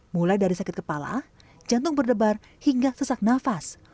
mulai dari sakit kepala jantung berdebar hingga sesak nafas